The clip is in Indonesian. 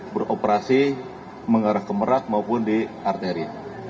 beroperasi mengarah ke merak maupun di arteri